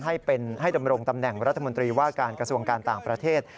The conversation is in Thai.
ให้ดำรงตำแหน่งรัฐมนตรีว่าการกระทรวงการต่างประเทศ